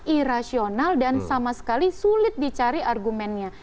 irasional dan sama sekali sulit dicari argumennya